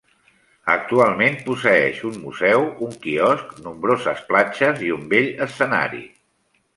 Actualment posseeix un museu, un quiosc, nombroses platges i un bell escenari.